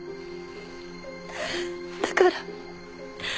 だから